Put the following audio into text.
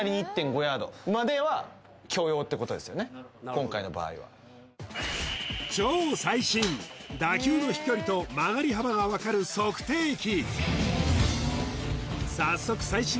今回の場合は超最新打球の飛距離と曲がり幅がわかる測定器